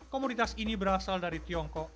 komunitas ini berasal dari tiongkok